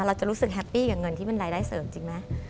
เราจะรู้สึกแฮปปี้กับเงินที่เป็นรายได้เสริมจริงไหม